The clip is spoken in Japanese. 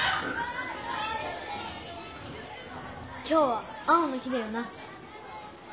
今日は青の日だよな！